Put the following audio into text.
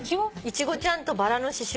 イチゴちゃんとバラの刺しゅう。